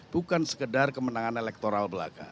bukan sekedar kemenangan elektoral belaka